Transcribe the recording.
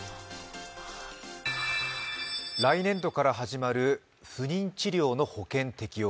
来年度から始まる不妊治療の保険適用。